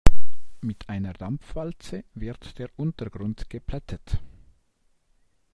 Mit einer Dampfwalze wird der Untergrund geplättet.